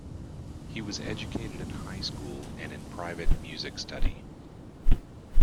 He was educated in high school and in private music study.